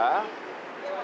yang penting adalah